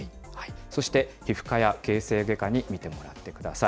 そして皮膚科や形成外科に診てもらってください。